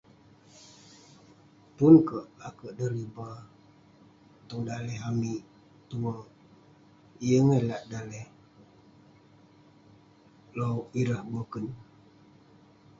Pun kek akouk deriba, tong daleh amik tue. Yeng eh lak daleh lo- ireh boken.